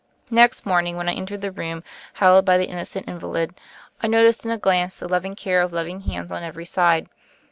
Next morning, when I entered the room, hal lowed by the innocent invalid, I noticed in a glance the loving care of loving hands on every side.